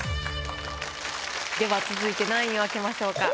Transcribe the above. では続いて何位を開けましょうか？